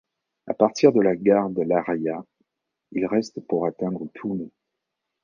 À partir de la gare de La Raya, il reste pour atteindre Puno.